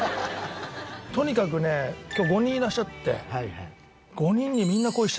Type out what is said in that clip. とにかくね今日５人いらっしゃって５人に。